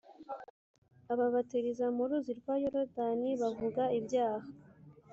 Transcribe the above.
ababatiriza mu ruzi rwa Yorodani bavuga ibyaha